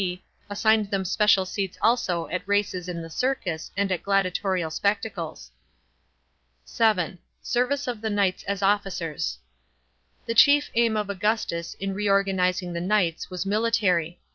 D.) assigned them special seats also at races in the Circus and at gladiatorial spectacles. (7) Service of the knights as officers. The chief aim of Augustus in reorganising the knights was military.